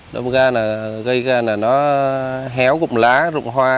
đông ra là gây ra nó héo cụm lá rụng hoa